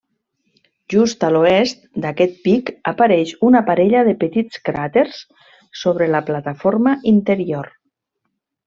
Just a l'oest d'aquest pic apareix una parella de petits cràters sobre la plataforma interior.